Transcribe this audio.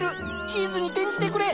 チーズに転じてくれ。